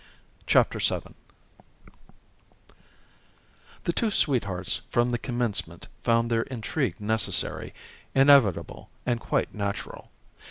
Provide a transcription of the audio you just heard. CHAPTER VII The two sweethearts from the commencement found their intrigue necessary, inevitable and quite natural.